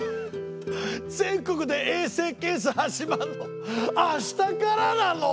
全国で衛生検査始まるのあしたからなの？